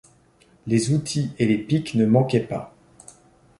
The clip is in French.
Les outils et les pics ne manquaient pas.